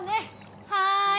はい。